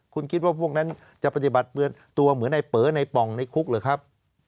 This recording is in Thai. คุณคิดว่าพวกนั้นจะปฏิบัติตัวเหมือนในเป๋อในป่องในคุกหรือครับ